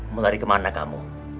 melari kemana kamu